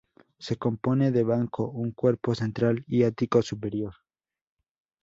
Se compone de banco, un cuerpo central y ático superior.